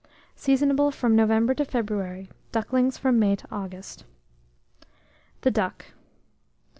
Seasonable from November to February; ducklings from May to August. THE DUCK.